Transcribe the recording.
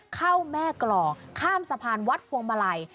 เข้าแม่กรอกข้ามสะพานวัดพวงมาลัย